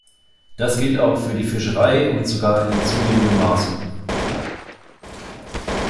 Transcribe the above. Das gilt auch für die Fischerei, und sogar in zunehmendem Maße.